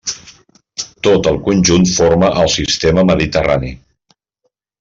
Tot el conjunt forma el Sistema Mediterrani.